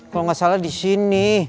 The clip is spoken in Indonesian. kalau gak salah disini